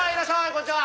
こんにちは。